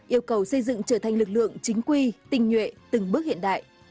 yêu cầu xây dựng trở thành lực lượng chính quy tình nhuệ từng bước hiện đại